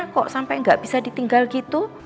kok sampai nggak bisa ditinggal gitu